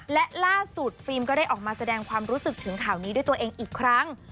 และล่าสุดฟิล์มก็ได้ออกมาแสดงความรู้สึกถึงข่าวนี้ด้วยตัวเองอีกครั้ง